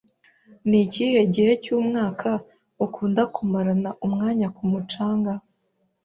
Ni ikihe gihe cyumwaka ukunda kumarana umwanya ku mucanga?